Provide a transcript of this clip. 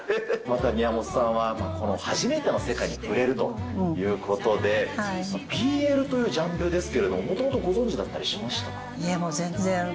また宮本さんは、初めての世界に触れるということで、ＢＬというジャンルですけれども、もともといえ、もう全然。